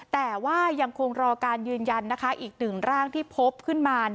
แต่ว่ายังคงรอการยืนยันนะคะอีกหนึ่งร่างที่พบขึ้นมา